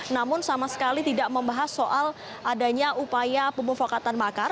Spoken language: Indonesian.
namun sama sekali tidak membahas soal adanya upaya pemufakatan makar